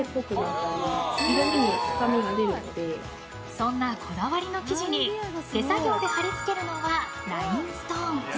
そんなこだわりの生地に手作業で貼り付けるのはラインストーン。